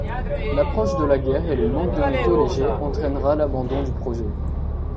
L’approche de la guerre et le manque de métaux légers entrainera l’abandon du projet.